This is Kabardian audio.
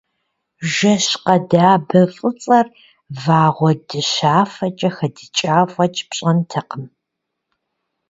Жэщ къэдабэ фӏыцӏэр вагъуэ дыщафэкӏэ хэдыкӏа фэкӏ пщӏэнтэкъым.